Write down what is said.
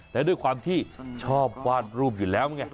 และด้วยความที่ชอบวาดรูปอยู่แล้วไง